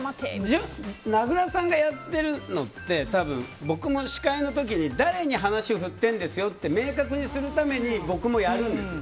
名倉さんがやってるのって多分僕も司会の時に誰の話振ってるんですよって明確にするために僕もやるんです。